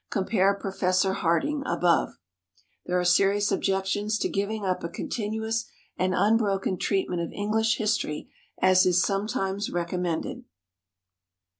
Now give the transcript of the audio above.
(Compare Professor Harding, above.) There are serious objections to giving up a continuous and unbroken treatment of English history as is sometimes recommended.